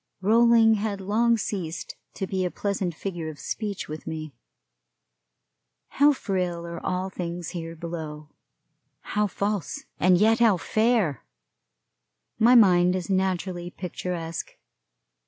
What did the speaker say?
Rolling had long ceased to be a pleasant figure of speech with me. How frail are all things here below, how false, and yet how fair! My mind is naturally picturesque.